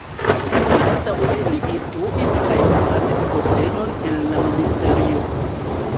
Baldaŭe li instruis kaj li havis postenon en la ministerio.